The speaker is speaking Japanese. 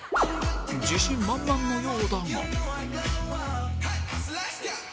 自信満々のようだが